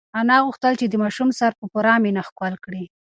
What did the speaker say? انا غوښتل چې د ماشوم سر په پوره مینه ښکل کړي.